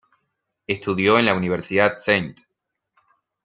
Estudió en la Universidad St.